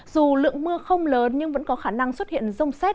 dù lượng mưa không lớn nhưng vẫn có khả năng xuất hiện rông xét